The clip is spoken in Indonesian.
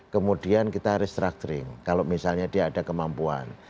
kemudian kita restructuring kalau misalnya dia ada kemampuan